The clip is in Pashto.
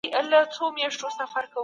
موږ باید د طلاق لاملونه پیدا کړو.